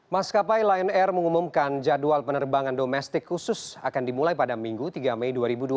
maskapai lion air mengumumkan jadwal penerbangan domestik khusus akan dimulai pada minggu tiga mei dua ribu dua puluh